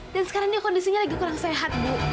dan sekarang dia kondisinya lagi kurang sehat bu